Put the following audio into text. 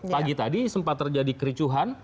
pagi tadi sempat terjadi kericuhan